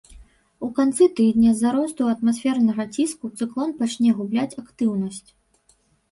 У канцы тыдня з-за росту атмасфернага ціску цыклон пачне губляць актыўнасць.